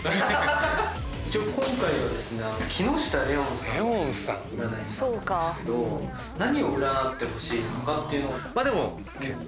今回は木下レオンさんという占い師さんなんですけど何を占ってほしいのかっていうのを。